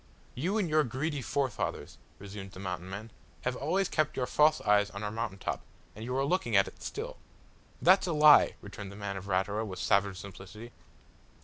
"You and your greedy forefathers," resumed the Mountain man, "have always kept your false eyes on our mountain top, and you are looking at it still." "That's a lie," returned the man of Ratura with savage simplicity.